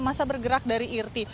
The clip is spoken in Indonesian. masa bergerak dari irti